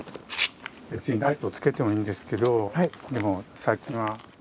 別にライトをつけてもいいんですけどでも先が。